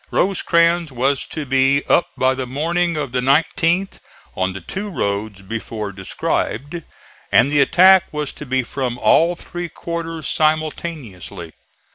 Rosecrans was to be up by the morning of the 19th on the two roads before described, and the attack was to be from all three quarters simultaneously.